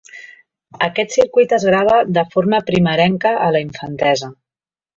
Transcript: Aquest circuit es grava de forma primerenca a la infantesa.